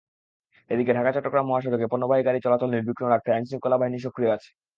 এদিকে ঢাকা-চট্টগ্রাম মহাসড়কে পণ্যবাহী গাড়ি চলাচল নির্বিঘ্ন রাখতে আইনশৃঙ্খলা বাহিনী সক্রিয় আছে।